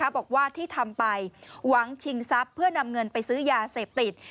บอกว่าที่ทำไปหวังชิงทรัพย์เพื่อนำเงินไปซื้อยาเสพติด